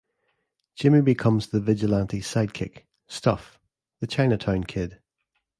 Jimmy becomes the Vigilante's sidekick Stuff, the Chinatown Kid.